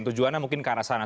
tujuannya mungkin ke arah sana